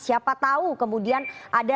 siapa tahu kemudian ada